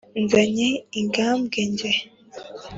nzanye ingabwe e njye,